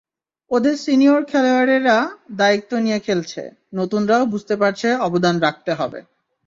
ওদের সিনিয়র খেলোয়াড়েরা দায়িত্ব নিয়ে খেলছে, নতুনরাও বুঝতে পারছে অবদান রাখতে হবে।